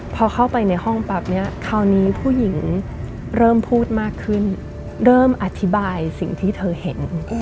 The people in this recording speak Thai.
พอเข้าไปในห้องปั๊บเนี่ยคราวนี้ผู้หญิงเริ่มพูดมากขึ้นเริ่มอธิบายสิ่งที่เธอเห็น